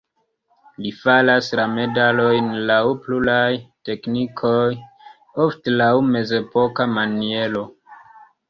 Li faras la medalojn laŭ pluraj teknikoj, ofte laŭ mezepoka maniero.